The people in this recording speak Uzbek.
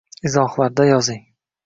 Izohlarda yozing